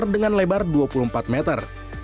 dengan lebar dua puluh empat meter